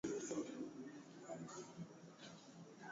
shirika lilikuwa tayari limeunda safu kubwa za mabara